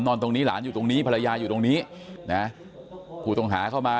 ตรงนี้หลานอยู่ตรงนี้ภรรยาอยู่ตรงนี้นะผู้ต้องหาเข้ามา